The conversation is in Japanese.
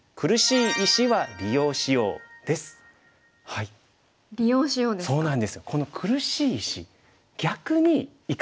「利用しよう」ですか。